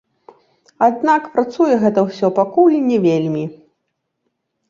Аднак працуе гэта ўсё пакуль не вельмі.